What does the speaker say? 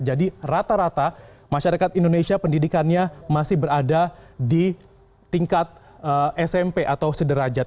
jadi rata rata masyarakat indonesia pendidikannya masih berada di tingkat smp atau sederajat